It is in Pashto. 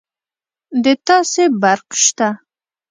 د تاسي برق شته